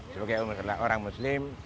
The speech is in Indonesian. sebagai umat adalah orang muslim